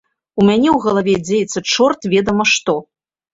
У мяне ў галаве дзеецца чорт ведама што.